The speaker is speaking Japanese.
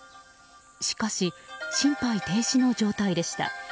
しかし、心肺停止の状態でした。